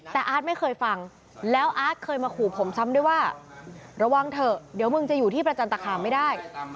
แต่อาร์ตไม่เคยฟังแล้วอาร์ตเคยมาขู่ผมซ้ำด้วยว่าระวังเถอะเดี๋ยวมึงจะอยู่ที่ประจันตคามไม่ได้